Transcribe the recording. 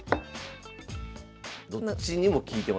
どっちにも利いてますもんね